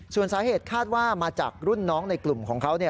ส่วนสาเหตุคาดว่ามาจากรุ่นน้องในกลุ่มของเขา